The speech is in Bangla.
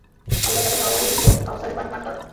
আল্লাহ তাদের হাউজে কাউসারের পানি পান করান।